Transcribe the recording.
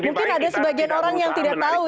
mungkin ada sebagian orang yang tidak tahu